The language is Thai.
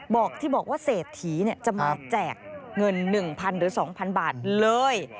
บอกที่บอกว่าเศรษฐีจะมาแจกเงิน๑๐๐๐หรือ๒๐๐บาทเลย